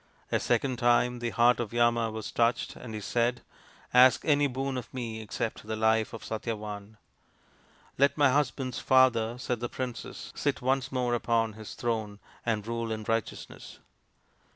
A second time the heart of Yama was touched, and he said, "Ask any boon of me except the life of Satyavan." " Let my husband's father," said the princess, " sit once more upon his throne and rule in righteousness."